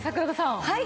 はい！